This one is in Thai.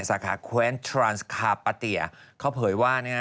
สาขาแคว้นทรานส์คาปาเตียเขาเผยว่านะฮะ